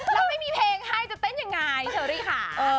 แล้วไม่มีเพลงให้จะเต้นยังไงเชอรี่ค่ะ